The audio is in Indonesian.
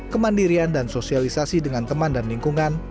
kemandirian dan sosialisasi dengan teman dan lingkungan